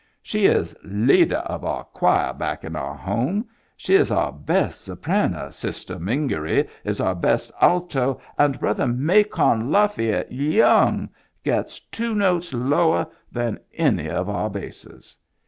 " She is leadah of our choir back in our home. She is our best soprano, Sistah Mingory is our best alto, and Brother Macon Lafayette Young gets two notes lowah than any of our basses.